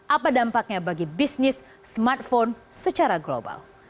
apa dampaknya bagi bisnis smartphone secara global